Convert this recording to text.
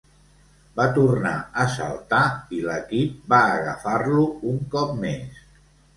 Va tornar a saltar i l'equip va agafar-lo un cop més.